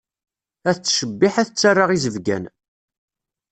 Ad tettcebbiḥ ad tettarra izebgan.